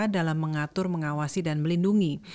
dalam mengatur mengawasi dan melindungi